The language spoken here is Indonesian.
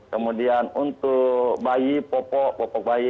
kemudian untuk bayi popok pokok bayi